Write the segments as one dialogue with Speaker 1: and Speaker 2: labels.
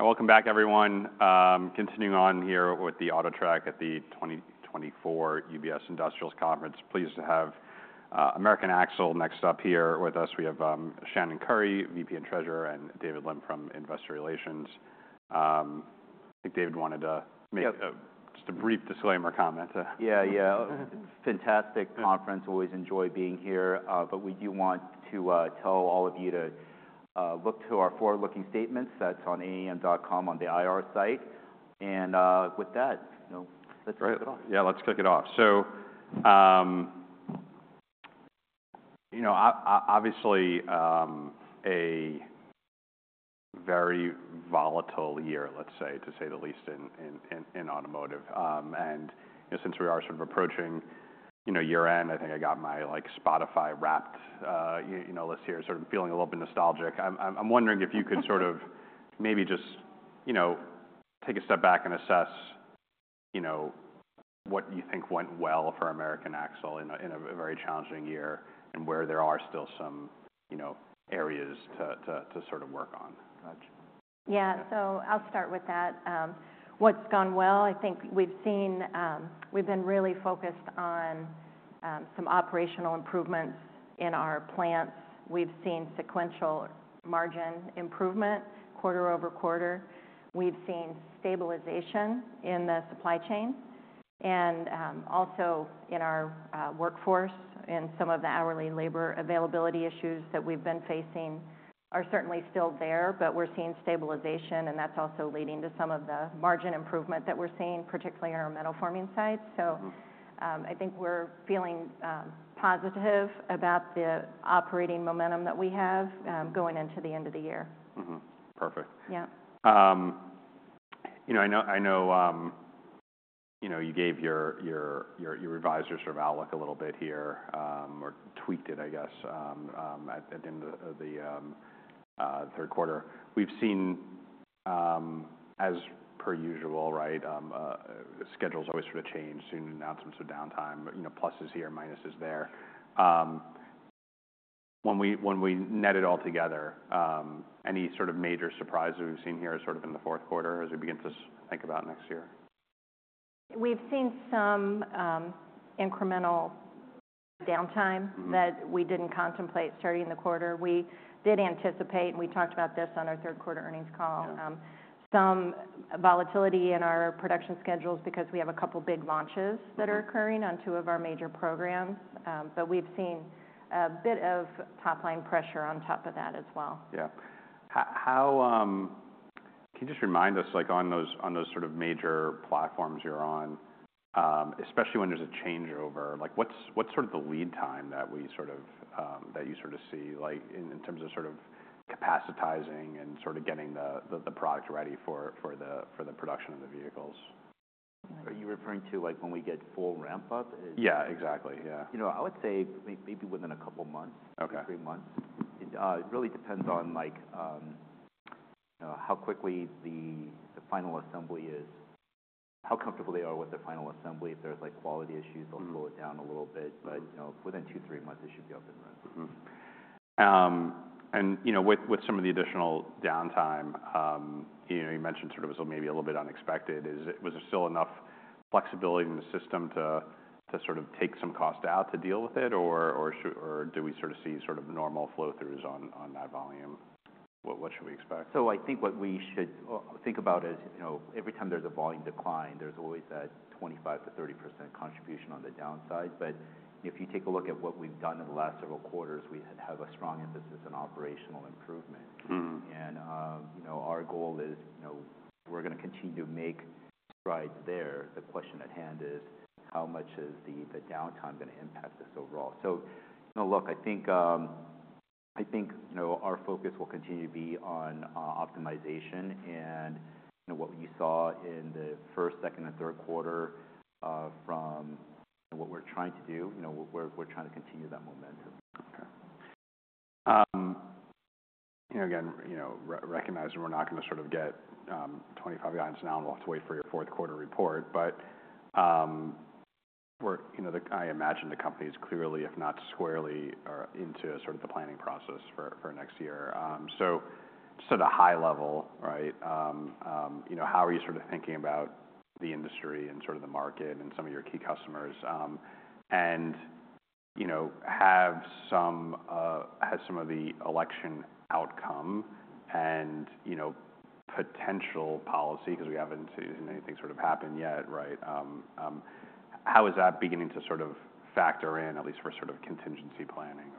Speaker 1: Welcome back, everyone. Continuing on here with the AutoTrak at the 2024 UBS Industrials Conference. Pleased to have American Axle next up here with us. We have Shannon Curry, VP and Treasurer, and David Lim from Investor Relations. I think David wanted to make just a brief disclaimer comment.
Speaker 2: Yeah, yeah. Fantastic conference. Always enjoy being here. But we do want to tell all of you to look to our forward-looking statements. That's on AAM.com on the IR site. And with that, you know, let's kick it off.
Speaker 1: Great. Yeah, let's kick it off. So, you know, obviously, a very volatile year, let's say, to say the least in automotive, and you know, since we are sort of approaching, you know, year-end, I think I got my, like, Spotify Wrapped, you know, list here. Sort of feeling a little bit nostalgic. I'm wondering if you could sort of maybe just, you know, take a step back and assess, you know, what you think went well for American Axle in a very challenging year and where there are still some, you know, areas to sort of work on.
Speaker 2: Gotcha.
Speaker 3: Yeah. So I'll start with that. What's gone well? I think we've seen. We've been really focused on some operational improvements in our plants. We've seen sequential margin improvement quarter-over-quarter. We've seen stabilization in the supply chain. And also in our workforce and some of the hourly labor availability issues that we've been facing are certainly still there, but we're seeing stabilization, and that's also leading to some of the margin improvement that we're seeing, particularly in our metal-forming sites. So, I think we're feeling positive about the operating momentum that we have going into the end of the year.
Speaker 1: Mm-hmm. Perfect.
Speaker 3: Yeah.
Speaker 1: You know, you gave your revised or sort of outlook a little bit here, or tweaked it, I guess, at the end of the third quarter. We've seen, as per usual, right, schedules always sort of change, some announcements of downtime, you know, pluses here, minuses there. When we net it all together, any sort of major surprises we've seen here sort of in the fourth quarter as we begin to think about next year?
Speaker 3: We've seen some incremental downtime that we didn't contemplate starting the quarter. We did anticipate, and we talked about this on our third quarter earnings call, some volatility in our production schedules because we have a couple big launches that are occurring on two of our major programs. But we've seen a bit of top-line pressure on top of that as well.
Speaker 1: Yeah. How can you just remind us, like, on those sort of major platforms you're on, especially when there's a changeover? Like, what's sort of the lead time that you sort of see, like, in terms of sort of capacitizing and sort of getting the product ready for the production of the vehicles?
Speaker 2: Are you referring to, like, when we get full ramp-up?
Speaker 1: Yeah, exactly. Yeah.
Speaker 2: You know, I would say maybe within a couple months.
Speaker 1: Okay.
Speaker 2: Two, three months. It really depends on, like, you know, how quickly the final assembly is, how comfortable they are with the final assembly. If there's, like, quality issues, they'll slow it down a little bit. But, you know, within two, three months, it should be up and running.
Speaker 1: Mm-hmm. And, you know, with some of the additional downtime, you know, you mentioned sort of it was maybe a little bit unexpected. Was there still enough flexibility in the system to sort of take some cost out to deal with it? Or should we sort of see normal flow-throughs on that volume? What should we expect?
Speaker 2: I think what we should think about is, you know, every time there's a volume decline, there's always that 25%-30% contribution on the downside. But if you take a look at what we've done in the last several quarters, we have a strong emphasis on operational improvement.
Speaker 1: Mm-hmm.
Speaker 2: You know, our goal is, you know, we're gonna continue to make strides there. The question at hand is, how much is the downtime gonna impact us overall? So, you know, look, I think you know, our focus will continue to be on optimization and, you know, what you saw in the first, second, and third quarter from, you know, what we're trying to do. You know, we're trying to continue that momentum.
Speaker 1: Okay. You know, again, you know, re-recognizing we're not gonna sort of get 25 guidance now, and we'll have to wait for your fourth quarter report. But we're, you know, I imagine the company's clearly, if not squarely, into sort of the planning process for next year. So just at a high level, right, you know, how are you sort of thinking about the industry and sort of the market and some of your key customers? And, you know, has some of the election outcome and, you know, potential policy 'cause we haven't seen anything sort of happen yet, right? How is that beginning to sort of factor in, at least for sort of contingency planning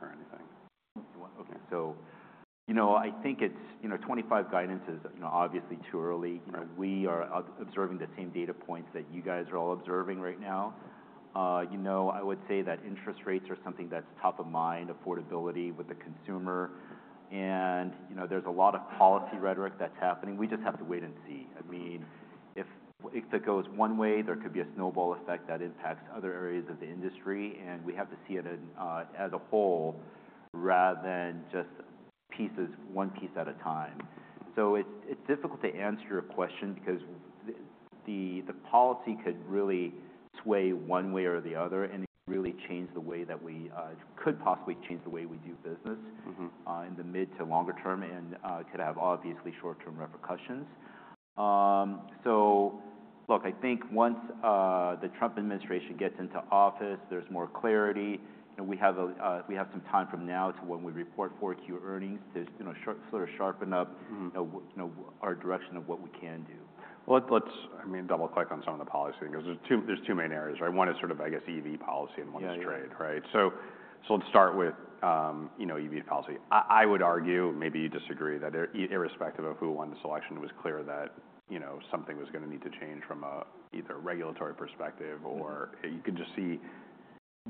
Speaker 1: or anything?
Speaker 2: Okay. So, you know, I think it's, you know, 25 guidance is, you know, obviously too early. You know, we are observing the same data points that you guys are all observing right now. You know, I would say that interest rates are something that's top of mind, affordability with the consumer. And, you know, there's a lot of policy rhetoric that's happening. We just have to wait and see. I mean, if, if it goes one way, there could be a snowball effect that impacts other areas of the industry. And we have to see it in, as a whole rather than just pieces, one piece at a time. So it's, it's difficult to answer your question because the, the policy could really sway one way or the other and really change the way that we, could possibly change the way we do business.
Speaker 1: Mm-hmm.
Speaker 2: In the mid- to longer-term and could have obviously short-term repercussions.
Speaker 1: you know, something was gonna need to change from a either regulatory perspective or you could just see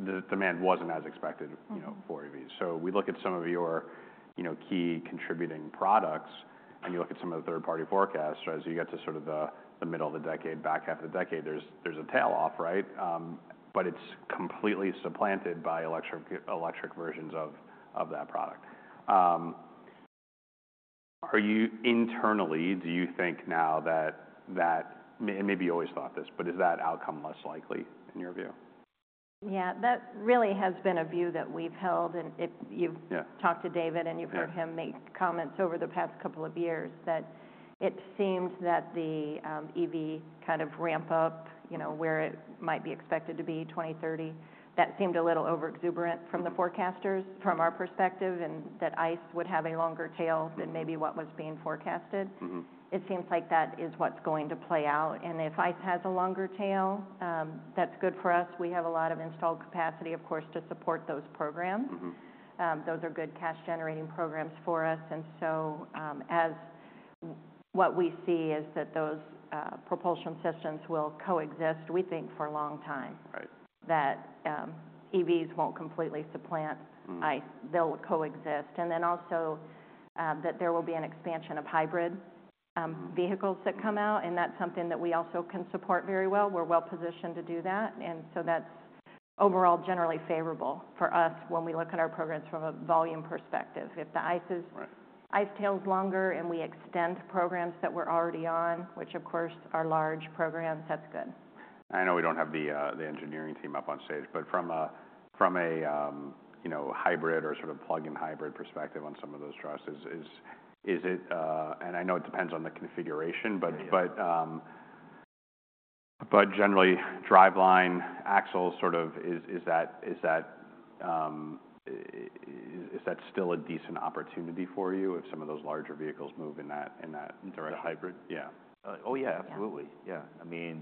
Speaker 1: the demand wasn't as expected, you know, for EVs. So we look at some of your, you know, key contributing products, and you look at some of the third-party forecasts. As you get to sort of the middle of the decade, back half of the decade, there's a tail-off, right? But it's completely supplanted by electric versions of that product. Are you internally, do you think now that, and maybe you always thought this, but is that outcome less likely in your view?
Speaker 3: Yeah. That really has been a view that we've held. And if you've.
Speaker 1: Yeah.
Speaker 3: Talked to David and you've heard him make comments over the past couple of years that it seemed that the EV kind of ramp-up, you know, where it might be expected to be 2030, that seemed a little overexuberant from the forecasters from our perspective and that ICE would have a longer tail than maybe what was being forecasted.
Speaker 1: Mm-hmm.
Speaker 3: It seems like that is what's going to play out. If ICE has a longer tail, that's good for us. We have a lot of installed capacity, of course, to support those programs.
Speaker 1: Mm-hmm.
Speaker 3: Those are good cash-generating programs for us. And so, as what we see is that those propulsion systems will coexist, we think, for a long time.
Speaker 1: Right.
Speaker 3: That EVs won't completely supplant ICE. They'll coexist. And then also, that there will be an expansion of hybrid vehicles that come out. And that's something that we also can support very well. We're well-positioned to do that. And so that's overall generally favorable for us when we look at our programs from a volume perspective. If the ICE is.
Speaker 1: Right.
Speaker 3: ICE tails longer, and we extend programs that we're already on, which, of course, are large programs. That's good.
Speaker 1: I know we don't have the engineering team up on stage. But from a hybrid or sort of plug-in hybrid perspective on some of those trucks, is it, and I know it depends on the configuration, but generally, driveline, axle sort of, is that still a decent opportunity for you if some of those larger vehicles move in that direct hybrid?
Speaker 2: Yeah.
Speaker 1: Yeah.
Speaker 2: Oh, yeah. Absolutely.
Speaker 1: Yeah.
Speaker 2: Yeah. I mean,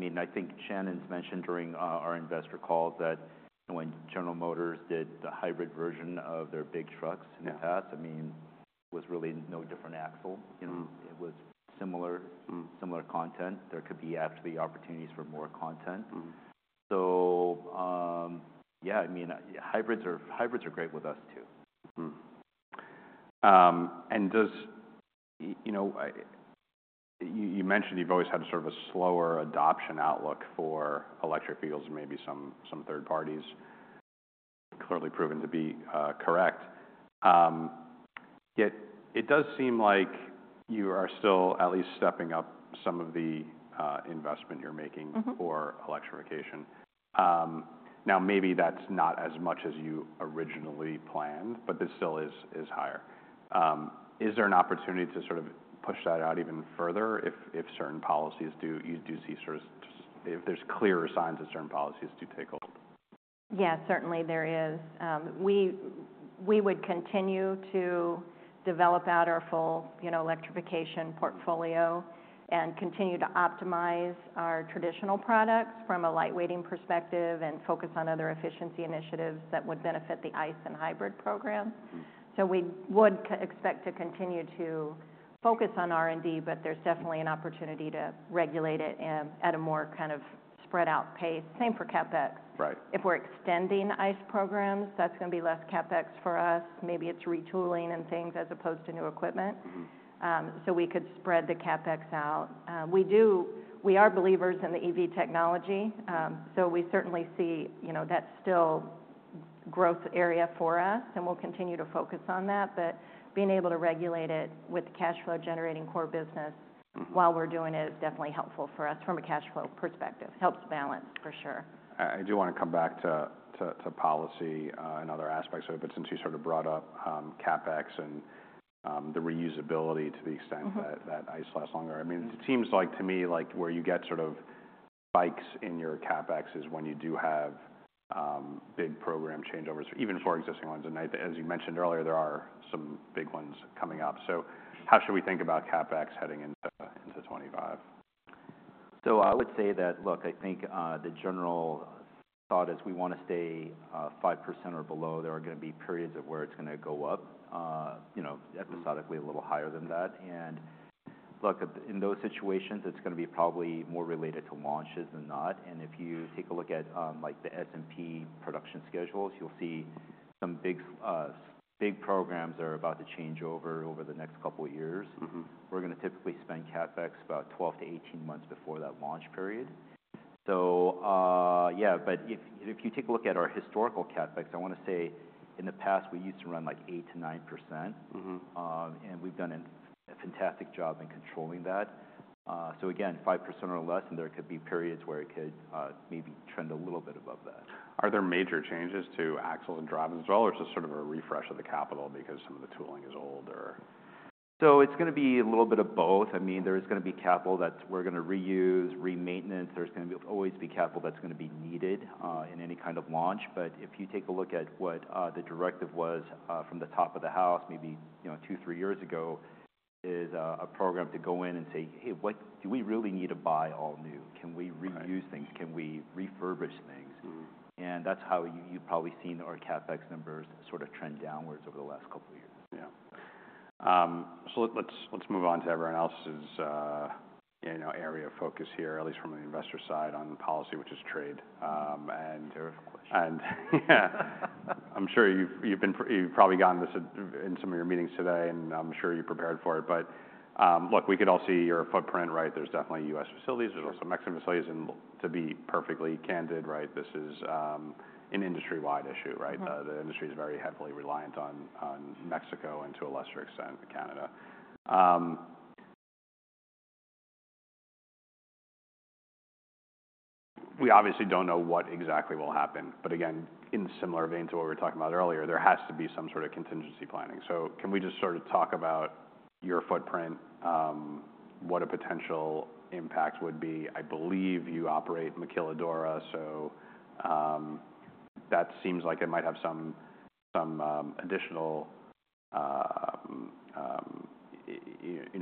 Speaker 2: I mean, I think Shannon's mentioned during our investor call that when General Motors did the hybrid version of their big trucks in the past.
Speaker 1: Yeah.
Speaker 2: I mean, it was really no different axle. You know, it was similar.
Speaker 1: Mm-hmm.
Speaker 2: Similar content. There could be actually opportunities for more content.
Speaker 1: Mm-hmm.
Speaker 2: So, yeah. I mean, hybrids are great with us too.
Speaker 1: and does, you know, you mentioned you've always had sort of a slower adoption outlook for electric vehicles and maybe some third parties. Clearly proven to be correct. Yet it does seem like you are still at least stepping up some of the investment you're making.
Speaker 2: Mm-hmm.
Speaker 1: For electrification. Now maybe that's not as much as you originally planned, but this still is higher. Is there an opportunity to sort of push that out even further if you do see sort of if there's clearer signs that certain policies do take hold?
Speaker 3: Yeah. Certainly there is. We would continue to develop out our full, you know, electrification portfolio and continue to optimize our traditional products from a light weighting perspective and focus on other efficiency initiatives that would benefit the ICE and hybrid programs.
Speaker 1: Mm-hmm.
Speaker 3: We would expect to continue to focus on R&D, but there's definitely an opportunity to regulate it in at a more kind of spread-out pace. Same for CapEx.
Speaker 1: Right.
Speaker 3: If we're extending ICE programs, that's gonna be less CapEx for us. Maybe it's retooling and things as opposed to new equipment.
Speaker 1: Mm-hmm.
Speaker 3: So we could spread the CapEx out. We do. We are believers in the EV technology. So we certainly see, you know, that's still growth area for us, and we'll continue to focus on that. But being able to regulate it with cash-flow-generating core business while we're doing it is definitely helpful for us from a cash-flow perspective. Helps balance for sure.
Speaker 1: I do wanna come back to policy and other aspects of it since you sort of brought up CapEx and the reusability to the extent that ICE lasts longer. I mean, it seems like to me like where you get sort of spikes in your CapEx is when you do have big program changeovers, even for existing ones, as you mentioned earlier, there are some big ones coming up. So how should we think about CapEx heading into 2025?
Speaker 2: So I would say that, look, I think the general thought is we wanna stay 5% or below. There are gonna be periods of where it's gonna go up, you know, episodically a little higher than that. And look, in those situations, it's gonna be probably more related to launches than not. And if you take a look at, like the S&P production schedules, you'll see some big programs are about to change over over the next couple years.
Speaker 1: Mm-hmm.
Speaker 2: We're gonna typically spend CapEx about 12-18 months before that launch period. So, yeah. But if you take a look at our historical CapEx, I wanna say in the past, we used to run like 8%-9%.
Speaker 1: Mm-hmm.
Speaker 2: And we've done a fantastic job in controlling that. So again, 5% or less, and there could be periods where it could, maybe trend a little bit above that.
Speaker 1: Are there major changes to axle and driveline, or is this sort of a refresh of the capital because some of the tooling is old, or?
Speaker 2: So it's gonna be a little bit of both. I mean, there is gonna be capital that we're gonna reuse, re-maintenance. There's gonna be always capital that's gonna be needed, in any kind of launch. But if you take a look at what the directive was from the top of the house maybe, you know, two, three years ago, is a program to go in and say, "Hey, what do we really need to buy all new? Can we reuse things? Can we refurbish things?
Speaker 1: Mm-hmm.
Speaker 2: That's how you've probably seen our CapEx numbers sort of trend downwards over the last couple years.
Speaker 1: Yeah, so let's move on to everyone else's, you know, area of focus here, at least from the investor side, on policy, which is trade. And.
Speaker 2: Terrific question.
Speaker 1: Yeah. I'm sure you've probably gotten this in some of your meetings today, and I'm sure you prepared for it. But look, we could all see your footprint, right? There's definitely U.S. facilities.
Speaker 2: Mm-hmm.
Speaker 1: There's also Mexican facilities, and to be perfectly candid, right, this is an industry-wide issue, right?
Speaker 2: Mm-hmm.
Speaker 1: The industry's very heavily reliant on Mexico and to a lesser extent, Canada. We obviously don't know what exactly will happen. But again, in similar vein to what we were talking about earlier, there has to be some sort of contingency planning. So can we just sort of talk about your footprint, what a potential impact would be? I believe you operate maquiladora, so that seems like it might have some additional, you know,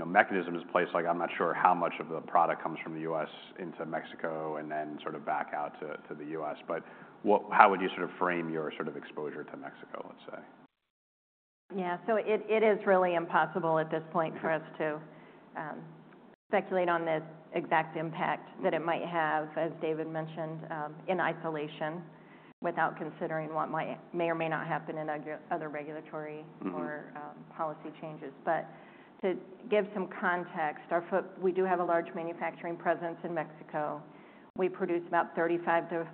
Speaker 1: mechanisms in place. Like, I'm not sure how much of the product comes from the U.S. into Mexico and then sort of back out to the U.S. But what, how would you sort of frame your sort of exposure to Mexico, let's say?
Speaker 3: Yeah. So it is really impossible at this point for us to speculate on the exact impact that it might have, as David mentioned, in isolation without considering what might or may not happen in other regulatory.
Speaker 1: Mm-hmm.
Speaker 3: Or, policy changes. But to give some context, we do have a large manufacturing presence in Mexico. We produce about 35%-40%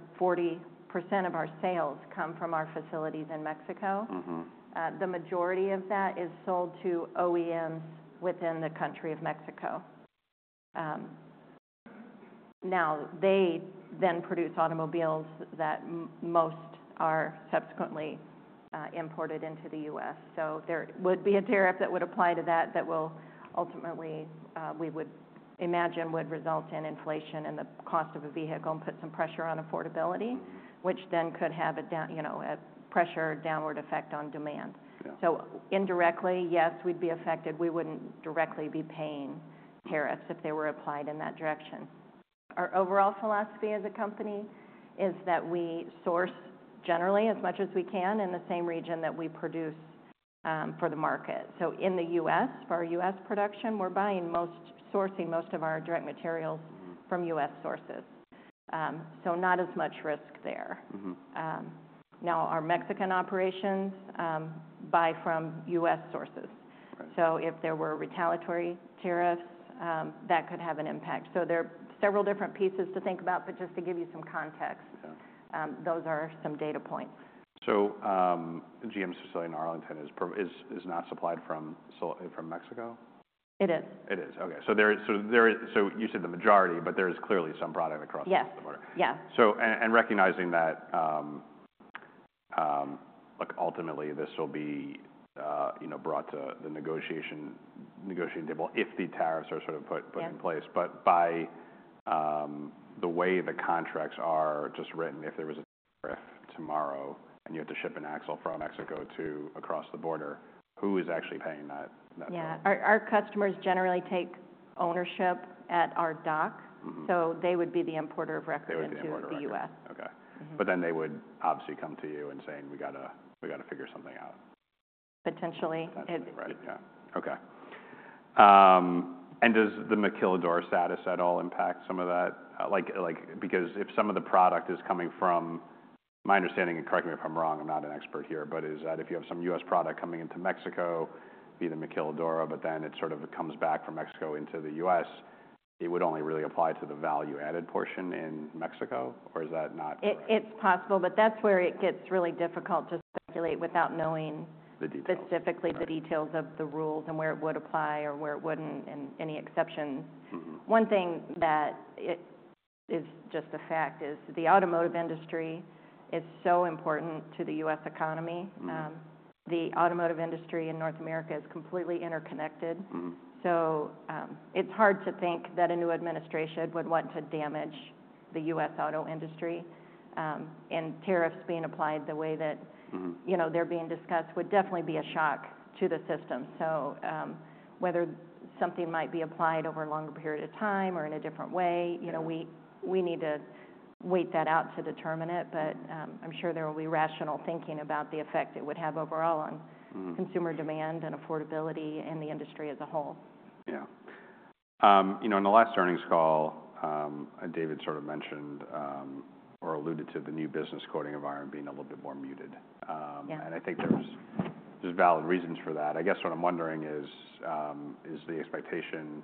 Speaker 3: of our sales come from our facilities in Mexico.
Speaker 1: Mm-hmm.
Speaker 3: The majority of that is sold to OEMs within the country of Mexico. Now they then produce automobiles that most are subsequently imported into the US. So there would be a tariff that would apply to that that will ultimately, we would imagine, would result in inflation and the cost of a vehicle and put some pressure on affordability, which then could have a down, you know, a pressure downward effect on demand.
Speaker 1: Yeah.
Speaker 3: So indirectly, yes, we'd be affected. We wouldn't directly be paying tariffs if they were applied in that direction. Our overall philosophy as a company is that we source generally as much as we can in the same region that we produce, for the market. So in the U.S., for our U.S. production, we're buying most of our direct materials from U.S. sources. So not as much risk there.
Speaker 1: Mm-hmm.
Speaker 3: Now, our Mexican operations buy from U.S. sources.
Speaker 1: Right.
Speaker 3: So if there were retaliatory tariffs, that could have an impact. So there are several different pieces to think about. But just to give you some context.
Speaker 1: Yeah.
Speaker 3: Those are some data points.
Speaker 1: So, GM's facility in Arlington is not supplied solely from Mexico?
Speaker 3: It is.
Speaker 1: It is. Okay. So there is, so you said the majority, but there is clearly some product across the.
Speaker 3: Yes.
Speaker 1: Border.
Speaker 3: Yeah.
Speaker 1: And recognizing that, look, ultimately, this will be, you know, brought to the negotiating table if the tariffs are sort of put in place.
Speaker 3: Yeah.
Speaker 1: But by the way the contracts are just written, if there was a tariff tomorrow and you had to ship an axle from Mexico to across the border, who is actually paying that?
Speaker 3: Yeah. Our customers generally take ownership at our dock.
Speaker 1: Mm-hmm.
Speaker 3: So they would be the importer of record.
Speaker 1: They would be the importer.
Speaker 3: In the U.S.
Speaker 1: Okay.
Speaker 3: Mm-hmm.
Speaker 1: But then they would obviously come to you and saying, "We gotta figure something out.
Speaker 3: Potentially.
Speaker 1: That's right. Yeah. Okay. And does the maquiladora status at all impact some of that? Like, because if some of the product is coming from, my understanding, and correct me if I'm wrong, I'm not an expert here, but is that if you have some U.S. product coming into Mexico, be the Maquiladora, but then it sort of comes back from Mexico into the U.S., it would only really apply to the value-added portion in Mexico? Or is that not?
Speaker 3: It's possible. But that's where it gets really difficult to speculate without knowing.
Speaker 1: The details.
Speaker 3: Specifically the details of the rules and where it would apply or where it wouldn't and any exceptions.
Speaker 1: Mm-hmm.
Speaker 3: One thing that is just a fact is the automotive industry is so important to the U.S. economy.
Speaker 1: Mm-hmm.
Speaker 3: The automotive industry in North America is completely interconnected.
Speaker 1: Mm-hmm.
Speaker 3: So, it's hard to think that a new administration would want to damage the U.S. auto industry and tariffs being applied the way that.
Speaker 1: Mm-hmm.
Speaker 3: You know, they're being discussed would definitely be a shock to the system. So, whether something might be applied over a longer period of time or in a different way, you know, we need to wait that out to determine it. But, I'm sure there will be rational thinking about the effect it would have overall on.
Speaker 1: Mm-hmm.
Speaker 3: Consumer demand and affordability and the industry as a whole.
Speaker 1: Yeah. You know, in the last earnings call, David sort of mentioned, or alluded to, the new business quoting of R&D being a little bit more muted.
Speaker 3: Yeah.
Speaker 1: I think there's valid reasons for that. I guess what I'm wondering is the expectation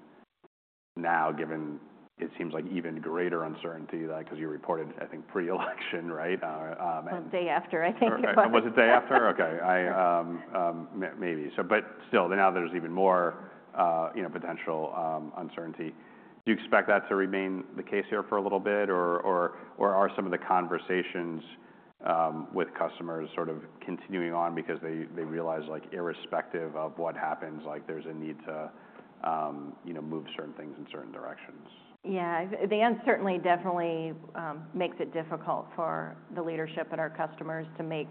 Speaker 1: now, given it seems like even greater uncertainty, like 'cause you reported, I think, pre-election, right? and.
Speaker 3: Well, day after, I think.
Speaker 1: Okay. Was it day after? Okay. So but still, now there's even more, you know, potential uncertainty. Do you expect that to remain the case here for a little bit? Or are some of the conversations with customers sort of continuing on because they realize, like, irrespective of what happens, like there's a need to, you know, move certain things in certain directions?
Speaker 3: Yeah. The uncertainty definitely makes it difficult for the leadership and our customers to make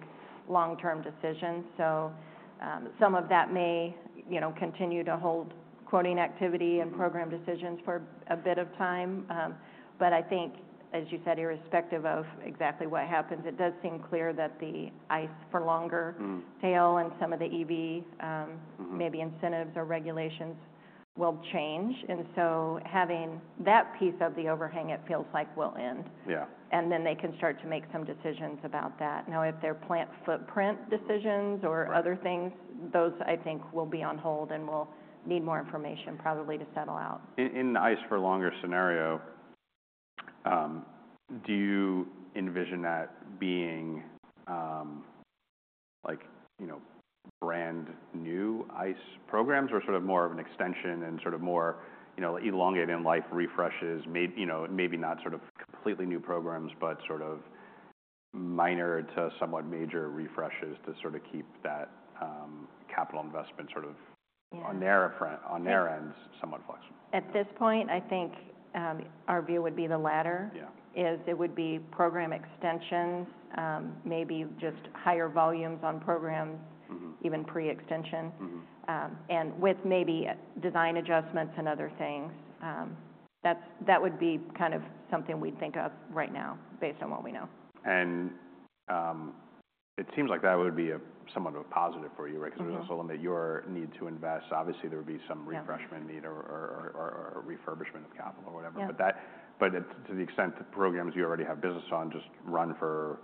Speaker 3: long-term decisions. So, some of that may, you know, continue to hold quoting activity and program decisions for a bit of time. But I think, as you said, irrespective of exactly what happens, it does seem clear that the ICE for longer.
Speaker 1: Mm-hmm.
Speaker 3: Tail and some of the EV,
Speaker 1: Mm-hmm.
Speaker 3: Maybe incentives or regulations will change, and so having that piece of the overhang, it feels like, will end.
Speaker 1: Yeah.
Speaker 3: And then they can start to make some decisions about that. Now, if they're plant footprint decisions or other things.
Speaker 1: Mm-hmm.
Speaker 3: Those, I think, will be on hold and will need more information probably to settle out.
Speaker 1: In the ICE for longer scenario, do you envision that being like you know brand new ICE programs or sort of more of an extension and sort of more you know elongated in life refreshes maybe you know maybe not sort of completely new programs but sort of minor to somewhat major refreshes to sort of keep that capital investment sort of?
Speaker 3: Yeah.
Speaker 1: On their front, on their end, somewhat flexible?
Speaker 3: At this point, I think, our view would be the latter.
Speaker 1: Yeah.
Speaker 3: It would be program extensions, maybe just higher volumes on programs.
Speaker 1: Mm-hmm.
Speaker 3: Even pre-extension.
Speaker 1: Mm-hmm.
Speaker 3: and with maybe design adjustments and other things. That's that would be kind of something we'd think of right now based on what we know.
Speaker 1: It seems like that would be somewhat of a positive for you, right?
Speaker 3: Yeah.
Speaker 1: 'Cause it would also eliminate your need to invest. Obviously, there would be some refurbishment need or refurbishment of capital or whatever.
Speaker 3: Yeah.
Speaker 1: But it's to the extent that programs you already have business on just run for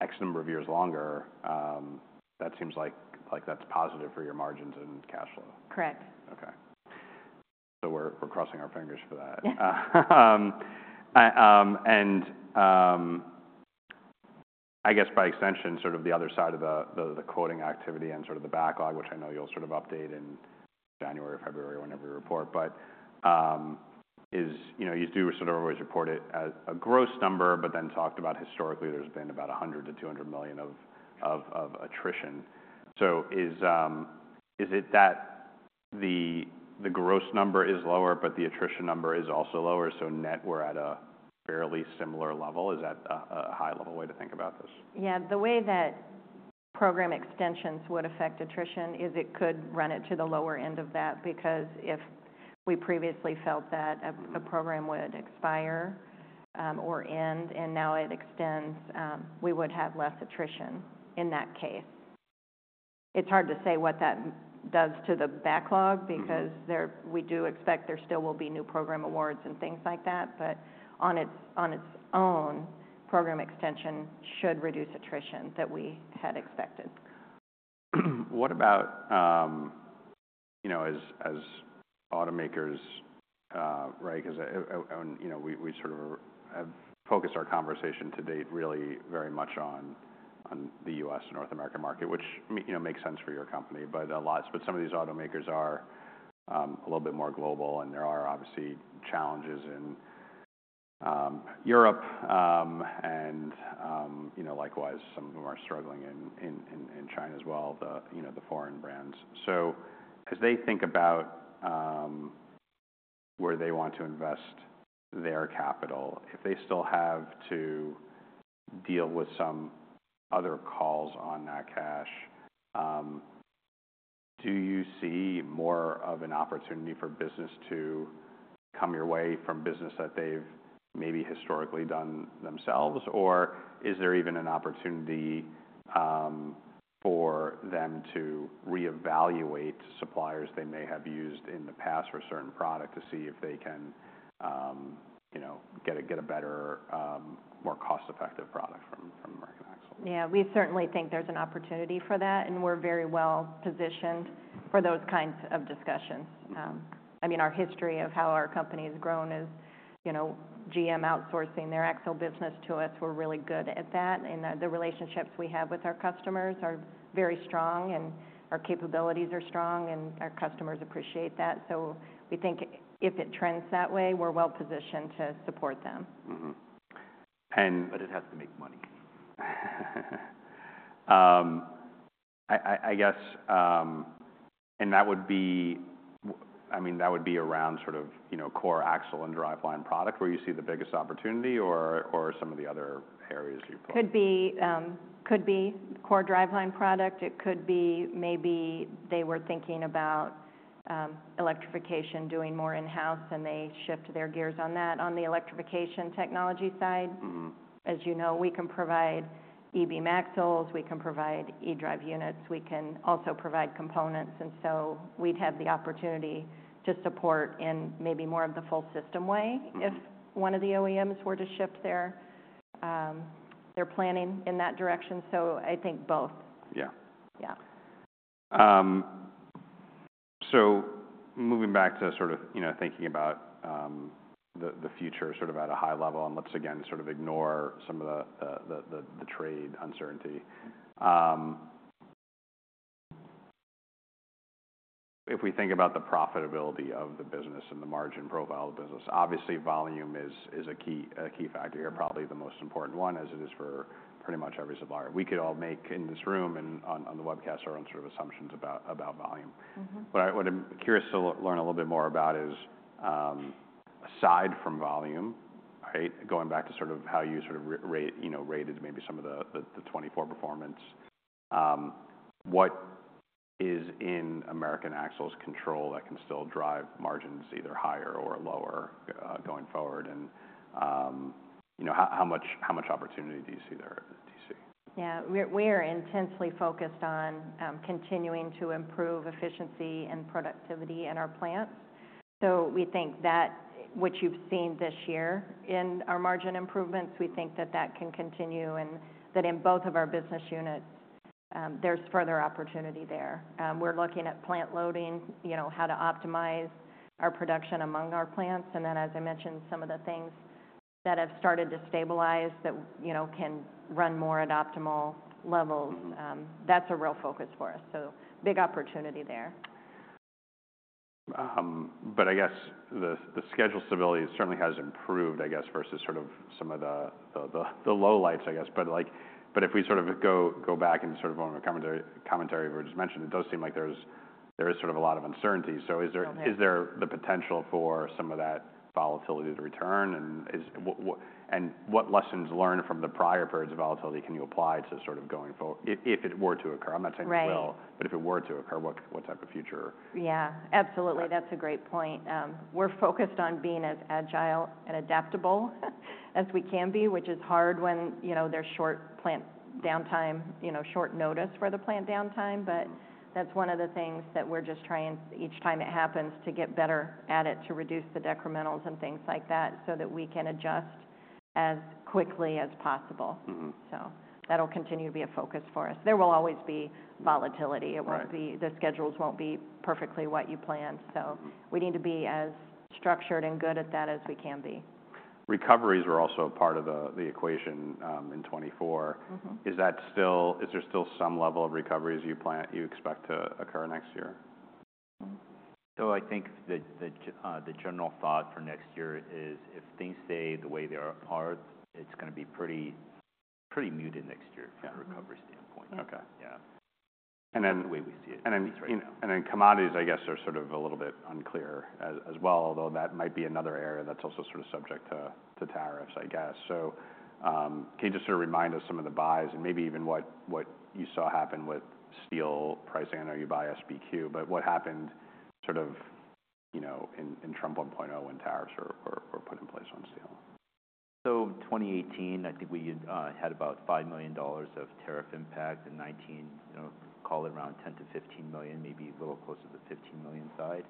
Speaker 1: X number of years longer. That seems like, like that's positive for your margins and cash flow.
Speaker 3: Correct.
Speaker 1: Okay. So we're crossing our fingers for that.
Speaker 3: Yeah.
Speaker 1: I guess by extension, sort of the other side of the quoting activity and sort of the backlog, which I know you'll sort of update in January, February, whenever you report, but, you know, you do sort of always report it as a gross number, but then talked about historically, there's been about $100 million-$200 million of attrition. So is it that the gross number is lower, but the attrition number is also lower? So net we're at a fairly similar level. Is that a high-level way to think about this?
Speaker 3: Yeah. The way that program extensions would affect attrition is it could run it to the lower end of that because if we previously felt that a program would expire, or end, and now it extends, we would have less attrition in that case. It's hard to say what that does to the backlog because there we do expect there still will be new program awards and things like that. But on its own, program extension should reduce attrition that we had expected.
Speaker 1: What about, you know, as automakers, right? 'Cause and, you know, we sort of have focused our conversation to date really very much on the U.S. and North America market, which, you know, makes sense for your company. But some of these automakers are a little bit more global. And there are obviously challenges in Europe, and, you know, likewise, some who are struggling in China as well, the, you know, the foreign brands. So as they think about where they want to invest their capital, if they still have to deal with some other calls on that cash, do you see more of an opportunity for business to come your way from business that they've maybe historically done themselves? Or is there even an opportunity for them to reevaluate suppliers they may have used in the past for certain product to see if they can, you know, get a better, more cost-effective product from American Axle?
Speaker 3: Yeah. We certainly think there's an opportunity for that, and we're very well-positioned for those kinds of discussions.
Speaker 1: Mm-hmm.
Speaker 3: I mean, our history of how our company has grown is, you know, GM outsourcing their axle business to us. We're really good at that. And the relationships we have with our customers are very strong and our capabilities are strong. And our customers appreciate that. So we think if it trends that way, we're well-positioned to support them.
Speaker 1: Mm-hmm. And. It has to make money. I guess, and that would be. I mean, that would be around sort of, you know, core axle and driveline product where you see the biggest opportunity or some of the other areas you're pulling?
Speaker 3: Could be, could be core driveline product. It could be maybe they were thinking about electrification, doing more in-house, and they shift their gears on that on the electrification technology side.
Speaker 1: Mm-hmm.
Speaker 3: As you know, we can provide e-Beam Axles. We can provide e-Drive units. We can also provide components. And so we'd have the opportunity to support in maybe more of the full system way.
Speaker 1: Mm-hmm.
Speaker 3: If one of the OEMs were to shift their planning in that direction. So I think both.
Speaker 1: Yeah.
Speaker 3: Yeah.
Speaker 1: So moving back to sort of, you know, thinking about the future sort of at a high level and let's again sort of ignore some of the trade uncertainty. If we think about the profitability of the business and the margin profile of the business, obviously volume is a key factor here, probably the most important one as it is for pretty much every supplier. We could all make in this room and on the webcast our own sort of assumptions about volume.
Speaker 3: Mm-hmm.
Speaker 1: What I'm curious to learn a little bit more about is, aside from volume, right, going back to sort of how you sort of re-rate, you know, rated maybe some of the 24 performance, what is in American Axle's control that can still drive margins either higher or lower, going forward? And, you know, how much opportunity do you see there at DC?
Speaker 3: Yeah. We're intensely focused on continuing to improve efficiency and productivity in our plants. So we think that, which you've seen this year in our margin improvements, we think that that can continue and that in both of our business units, there's further opportunity there. We're looking at plant loading, you know, how to optimize our production among our plants. And then, as I mentioned, some of the things that have started to stabilize that, you know, can run more at optimal levels.
Speaker 1: Mm-hmm.
Speaker 3: That's a real focus for us. So big opportunity there.
Speaker 1: But I guess the schedule stability certainly has improved, I guess, versus sort of some of the low lights, I guess. But, like, but if we sort of go back and sort of on the commentary we just mentioned, it does seem like there is sort of a lot of uncertainty. So is there.
Speaker 3: Absolutely.
Speaker 1: Is there the potential for some of that volatility to return? What lessons learned from the prior periods of volatility can you apply to sort of going forward if it were to occur? I'm not saying it will.
Speaker 3: Right.
Speaker 1: But if it were to occur, what, what type of future?
Speaker 3: Yeah. Absolutely.
Speaker 1: Okay.
Speaker 3: That's a great point. We're focused on being as agile and adaptable as we can be, which is hard when, you know, there's short plant downtime, you know, short notice for the plant downtime. But that's one of the things that we're just trying each time it happens to get better at it to reduce the decrementals and things like that so that we can adjust as quickly as possible.
Speaker 1: Mm-hmm.
Speaker 3: So that'll continue to be a focus for us. There will always be volatility.
Speaker 1: Right.
Speaker 3: It won't be. The schedules won't be perfectly what you planned.
Speaker 1: Mm-hmm.
Speaker 3: So we need to be as structured and good at that as we can be.
Speaker 1: Recoveries are also a part of the equation, in 2024.
Speaker 3: Mm-hmm.
Speaker 1: Is there still some level of recoveries you expect to occur next year?
Speaker 2: So I think the general thought for next year is if things stay the way they are at par, it's gonna be pretty muted next year from a recovery standpoint.
Speaker 1: Okay. Yeah. And then.
Speaker 2: The way we see it.
Speaker 1: And then, you know. Then commodities, I guess, are sort of a little bit unclear as well, although that might be another area that's also sort of subject to tariffs, I guess. So, can you just sort of remind us some of the buys and maybe even what you saw happen with steel pricing? I know you buy SBQ, but what happened sort of, you know, in Trump 1.0 when tariffs were put in place on steel?
Speaker 2: In 2018, I think we had about $5 million of tariff impact in 2019, you know, call it around $10 million-$15 million, maybe a little closer to the $15 million side.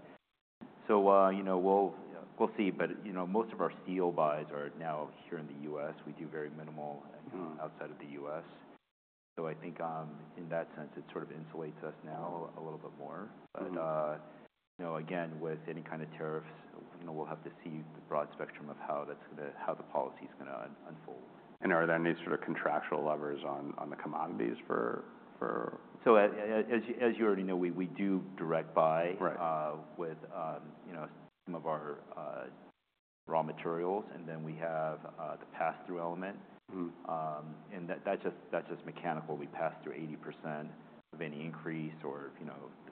Speaker 2: You know, we'll see. But you know, most of our steel buys are now here in the U.S. We do very minimal.
Speaker 1: Mm-hmm.
Speaker 2: Outside of the U.S. So I think, in that sense, it sort of insulates us now a little bit more.
Speaker 1: Mm-hmm.
Speaker 2: But, you know, again, with any kind of tariffs, you know, we'll have to see the broad spectrum of how that's gonna, how the policy's gonna unfold.
Speaker 1: Are there any sort of contractual levers on the commodities for?
Speaker 2: So as you already know, we do direct buy.
Speaker 1: Right.
Speaker 2: with you know some of our raw materials, and then we have the pass-through element.
Speaker 1: Mm-hmm.
Speaker 2: and that, that's just mechanical. We pass through 80% of any increase or, you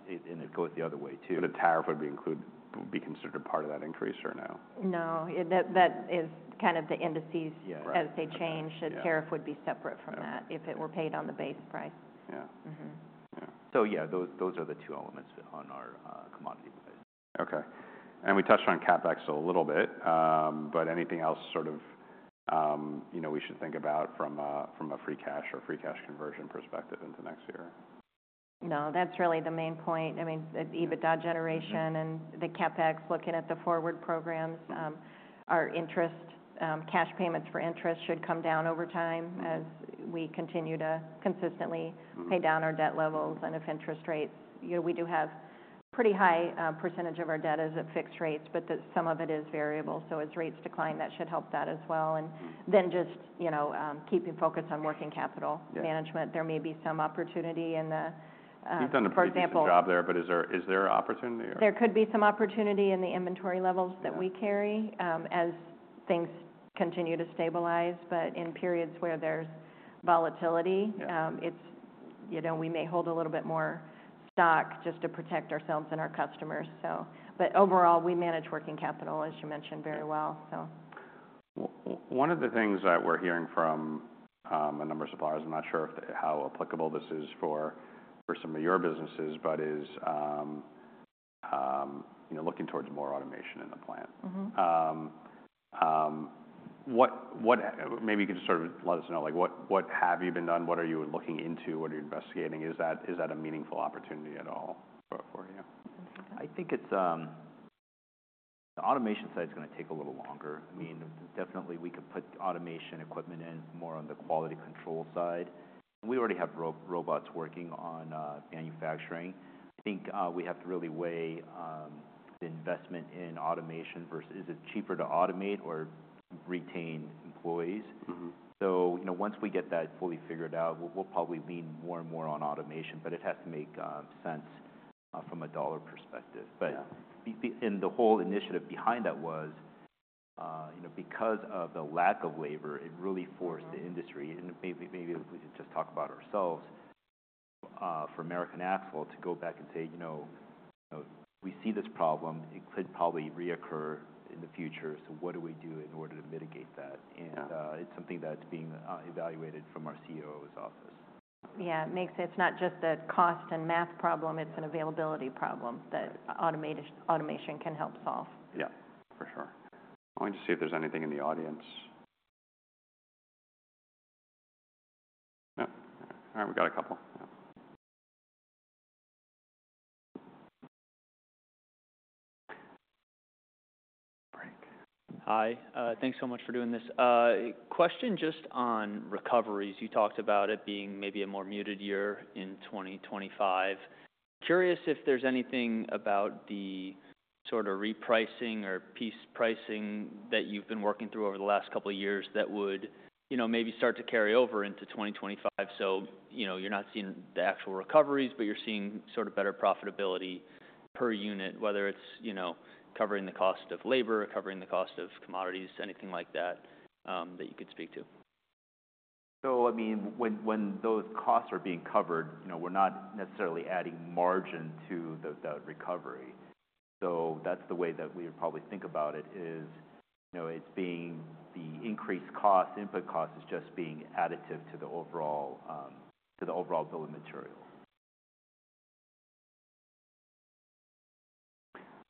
Speaker 2: know, and it goes the other way too.
Speaker 1: So the tariff would be included, would be considered a part of that increase, or no?
Speaker 3: No. That, that is kind of the indices.
Speaker 2: Yeah. Right.
Speaker 3: As they change.
Speaker 1: Yeah.
Speaker 3: The tariff would be separate from that.
Speaker 1: Yeah.
Speaker 3: If it were paid on the base price.
Speaker 1: Yeah.
Speaker 3: Mm-hmm.
Speaker 1: Yeah.
Speaker 2: So yeah, those are the two elements on our commodity price.
Speaker 1: Okay. And we touched on CapEx a little bit, but anything else sort of, you know, we should think about from a free cash or free cash conversion perspective into next year?
Speaker 3: No. That's really the main point. I mean, the EBITDA generation and the CapEx looking at the forward programs, our interest, cash payments for interest should come down over time as we continue to consistently.
Speaker 1: Mm-hmm.
Speaker 3: Pay down our debt levels. And if interest rates, you know, we do have pretty high percentage of our debt is at fixed rates, but that some of it is variable. So as rates decline, that should help that as well. And then just, you know, keeping focus on working capital.
Speaker 1: Yeah.
Speaker 3: Management. There may be some opportunity in the,
Speaker 1: You've done a pretty decent job there, but is there opportunity or?
Speaker 3: There could be some opportunity in the inventory levels that we carry, as things continue to stabilize. But in periods where there's volatility.
Speaker 1: Yeah.
Speaker 3: It's, you know, we may hold a little bit more stock just to protect ourselves and our customers. So, but overall, we manage working capital, as you mentioned, very well, so.
Speaker 1: One of the things that we're hearing from a number of suppliers (I'm not sure how applicable this is for some of your businesses) but is, you know, looking towards more automation in the plant.
Speaker 3: Mm-hmm.
Speaker 1: What, maybe you could just sort of let us know, like, what have you been doing? What are you looking into? What are you investigating? Is that a meaningful opportunity at all for you?
Speaker 2: I think it's the automation side's gonna take a little longer. I mean.
Speaker 1: Mm-hmm.
Speaker 2: Definitely, we could put automation equipment in more on the quality control side. We already have robots working on manufacturing. I think, we have to really weigh, the investment in automation versus is it cheaper to automate or retain employees?
Speaker 1: Mm-hmm.
Speaker 2: You know, once we get that fully figured out, we'll probably lean more and more on automation, but it has to make sense from a dollar perspective. But.
Speaker 1: Yeah.
Speaker 2: The whole initiative behind that was, you know, because of the lack of labor. It really forced the industry and maybe, maybe we could just talk about ourselves, for American Axle to go back and say, you know, you know, we see this problem. It could probably reoccur in the future. So what do we do in order to mitigate that?
Speaker 1: Yeah.
Speaker 2: It's something that's being evaluated from our CEO's office.
Speaker 3: Yeah. It means it's not just a cost and math problem. It's an availability problem that automation can help solve.
Speaker 1: Yeah. For sure. I wanted to see if there's anything in the audience. Oh. All right. We got a couple. Yeah. Break. Hi. Thanks so much for doing this. Question just on recoveries. You talked about it being maybe a more muted year in 2025. Curious if there's anything about the sort of repricing or piece pricing that you've been working through over the last couple of years that would, you know, maybe start to carry over into 2025? So, you know, you're not seeing the actual recoveries, but you're seeing sort of better profitability per unit, whether it's, you know, covering the cost of labor, covering the cost of commodities, anything like that, that you could speak to?
Speaker 2: So, I mean, when those costs are being covered, you know, we're not necessarily adding margin to the recovery. So that's the way that we would probably think about it is, you know, it's being the increased cost, input cost is just being additive to the overall bill of materials.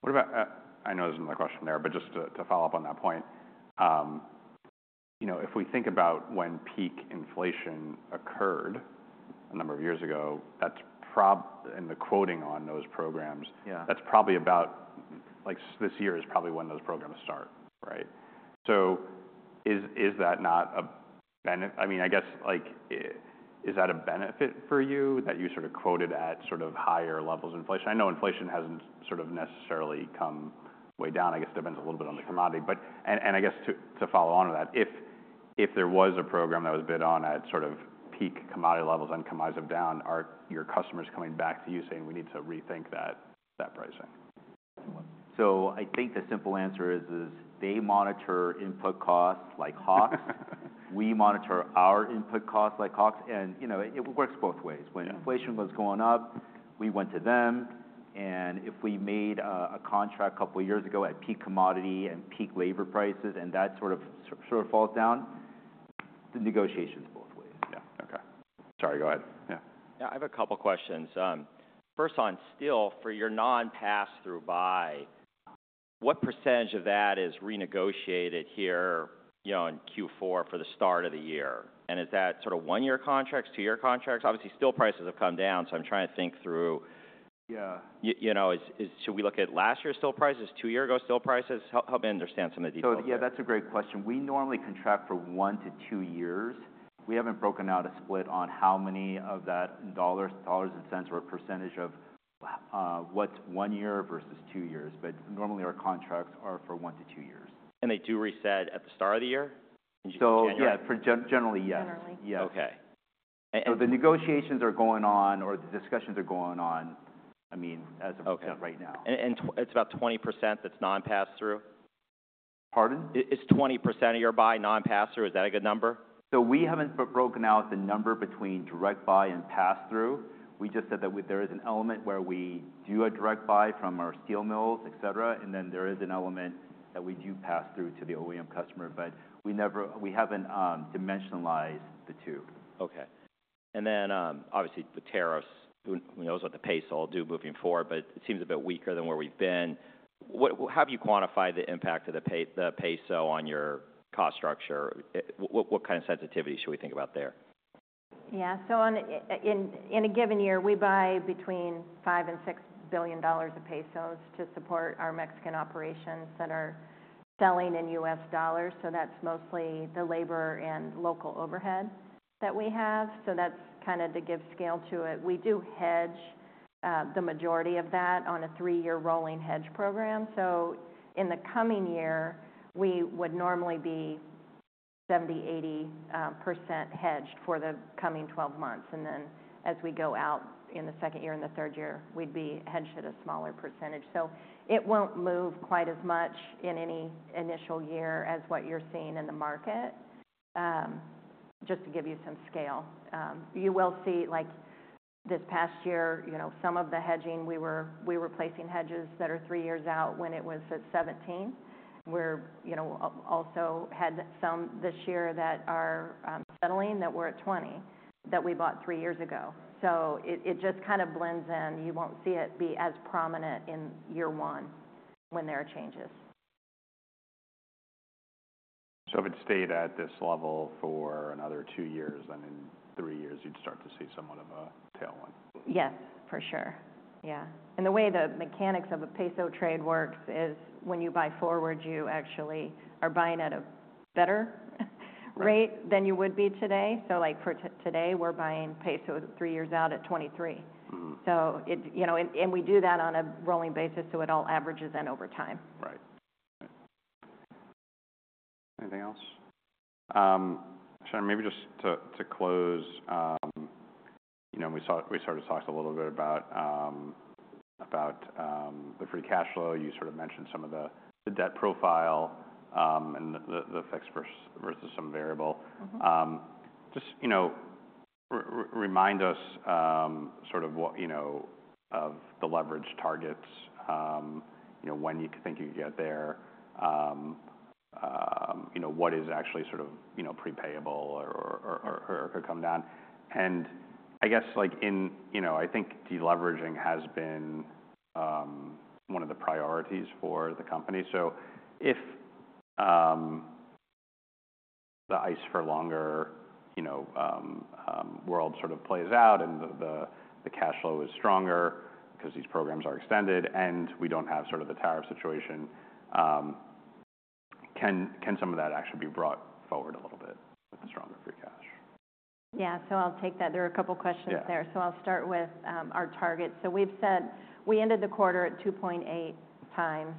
Speaker 1: What about? I know this isn't the question there, but just to follow up on that point, you know, if we think about when peak inflation occurred a number of years ago, that's probably in the quoting on those programs.
Speaker 2: Yeah.
Speaker 1: That's probably about, like, this year is probably when those programs start, right? So is that not a benefit? I mean, I guess, like, is that a benefit for you that you sort of quoted at sort of higher levels of inflation? I know inflation hasn't sort of necessarily come way down. I guess it depends a little bit on the commodity. And I guess to follow on with that, if there was a program that was bid on at sort of peak commodity levels and commodities are down, are your customers coming back to you saying, "We need to rethink that pricing"?
Speaker 2: So I think the simple answer is they monitor input costs like hawks. We monitor our input costs like hawks. And, you know, it works both ways.
Speaker 1: Yeah.
Speaker 2: When inflation was going up, we went to them and if we made a contract a couple of years ago at peak commodity and peak labor prices and that sort of falls down, the negotiation's both ways.
Speaker 1: Yeah. Okay. Sorry. Go ahead. Yeah. Yeah. I have a couple of questions. First on steel for your non-pass-through buy, what percentage of that is renegotiated here, you know, in Q4 for the start of the year? And is that sort of one-year contracts, two-year contracts? Obviously, steel prices have come down, so I'm trying to think through.
Speaker 2: Yeah. You know, should we look at last year's steel prices, two-year-ago steel prices? Help me understand some of these questions. So yeah, that's a great question. We normally contract for one to two years. We haven't broken out a split on how many of that dollars, dollars and cents or percentage of, what's one year versus two years. But normally, our contracts are for one to two years. They do reset at the start of the year? In January. So yeah, for generally, yes.
Speaker 3: Generally.
Speaker 2: Yes. Okay. A-and. So the negotiations are going on or the discussions are going on, I mean, as of. Okay. Right now. And it's about 20% that's non-pass-through? Pardon? Is 20% of your buy non-pass-through? Is that a good number? So we haven't broken out the number between direct buy and pass-through. We just said that there is an element where we do a direct buy from our steel mills, et cetera, and then there is an element that we do pass-through to the OEM customer. But we haven't dimensionalized the two. Okay. And then, obviously, the tariffs, who knows what the peso will do moving forward, but it seems a bit weaker than where we've been. How do you quantify the impact of the peso on your cost structure? What kind of sensitivity should we think about there?
Speaker 3: Yeah. So, in a given year, we buy between $5 billion-$6 billion of pesos to support our Mexican operations that are selling in U.S. dollars. So that's mostly the labor and local overhead that we have. So that's kinda to give scale to it. We do hedge the majority of that on a three-year rolling hedge program. So in the coming year, we would normally be 70%-80% hedged for the coming 12 months. And then as we go out in the second year and the third year, we'd be hedged at a smaller percentage. So it won't move quite as much in any initial year as what you're seeing in the market. Just to give you some scale, you will see, like, this past year, you know, some of the hedging we were placing hedges that are three years out when it was at 17. We, you know, also had some this year that are settling that were at 20 that we bought three years ago. So it just kinda blends in. You won't see it be as prominent in year one when there are changes.
Speaker 1: So if it stayed at this level for another two years, then in three years, you'd start to see somewhat of a tailwind?
Speaker 3: Yes. For sure. Yeah. And the way the mechanics of a peso trade works is when you buy forward, you actually are buying at a better rate than you would be today. So, like, for today, we're buying pesos three years out at 23.
Speaker 1: Mm-hmm.
Speaker 3: So, you know, and we do that on a rolling basis, so it all averages in over time.
Speaker 1: Right. Right.
Speaker 2: Anything else?
Speaker 1: Shannon, maybe just to close, you know, we sort of talked a little bit about the free cash flow. You sort of mentioned some of the debt profile, and the FX versus some variable.
Speaker 3: Mm-hmm.
Speaker 1: Just, you know, remind us, sort of what, you know, of the leverage targets, you know, when you think you could get there, you know, what is actually sort of, you know, prepayable or could come down, and I guess, like, in, you know, I think deleveraging has been one of the priorities for the company, so if the ICE for longer, you know, world sort of plays out and the cash flow is stronger 'cause these programs are extended and we don't have sort of the tariff situation, can some of that actually be brought forward a little bit with stronger free cash?
Speaker 3: Yeah. So I'll take that. There are a couple of questions there.
Speaker 1: Yeah.
Speaker 3: So I'll start with our target. So we've said we ended the quarter at 2.8 times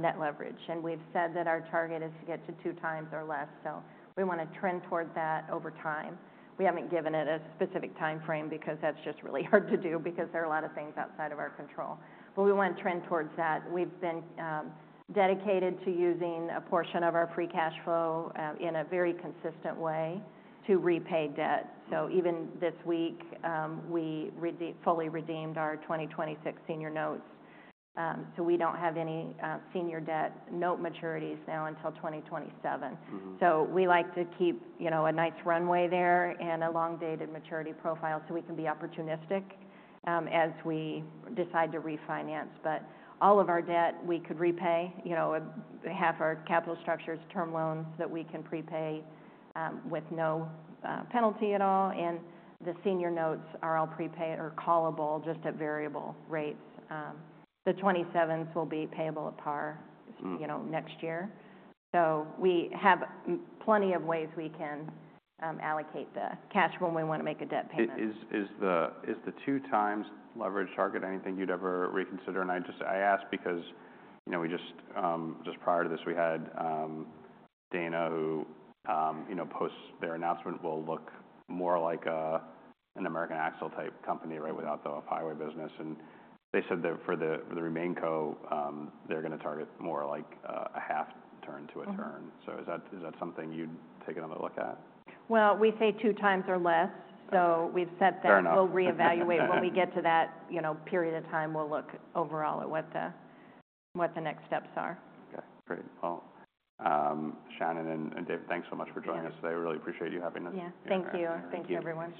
Speaker 3: net leverage. And we've said that our target is to get to two times or less. So we wanna trend toward that over time. We haven't given it a specific timeframe because that's just really hard to do because there are a lot of things outside of our control. But we wanna trend towards that. We've been dedicated to using a portion of our free cash flow in a very consistent way to repay debt. So even this week, we fully redeemed our 2026 senior notes. So we don't have any senior debt note maturities now until 2027.
Speaker 1: Mm-hmm.
Speaker 3: So we like to keep, you know, a nice runway there and a long-dated maturity profile so we can be opportunistic as we decide to refinance. But all of our debt, we could repay, you know, a half our capital structures term loans that we can prepay with no penalty at all. And the senior notes are all prepaid or callable just at variable rates. The 27s will be payable at par.
Speaker 1: Mm-hmm.
Speaker 3: You know, next year. So we have plenty of ways we can allocate the cash when we wanna make a debt payment.
Speaker 1: Is the two-times leverage target anything you'd ever reconsider? And I just ask because, you know, we just prior to this, we had Dana who, you know, posts their announcement will look more like an American Axle-type company, right, without the highway business. And they said that for the RemainCo, they're gonna target more like a half turn to a turn.
Speaker 3: Mm-hmm.
Speaker 1: So is that something you'd take another look at?
Speaker 3: We say two times or less.
Speaker 1: Okay.
Speaker 3: So we've said that.
Speaker 1: Fair enough.
Speaker 3: We'll reevaluate when we get to that, you know, period of time. We'll look overall at what the next steps are.
Speaker 1: Okay. Great. Well, Shannon and David, thanks so much for joining us today.
Speaker 3: Yeah.
Speaker 1: We really appreciate you having us.
Speaker 3: Yeah. Thank you. Thank you, everyone.